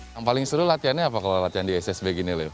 yang paling seru latihannya apa kalau latihan di ssb gini loh